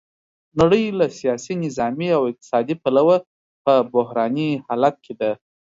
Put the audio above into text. نړۍ له سیاسي، نظامي او اقتصادي پلوه په بحراني حالت کې ده.